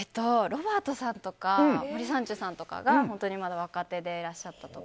ロバートさんとか森三中さんとかが、本当にまだ若手でいらっしゃった時。